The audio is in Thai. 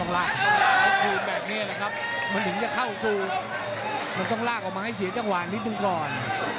มันถึงจะเข้าสู้มันต้องลากออกมาให้เสียจังหวานนิดนึงก่อน